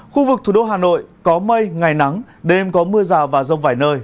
khu vực thủ đô hà nội có mây ngày nắng đêm có mưa rào và rông vài nơi